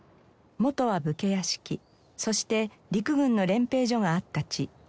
元は武家屋敷そして陸軍の練兵所があった地。